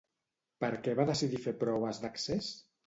Per què va decidir fer proves d'accés?